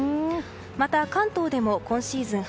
また、関東でも今シーズン